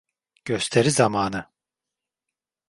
Gösteri zamanı.